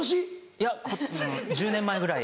いや１０年前ぐらい。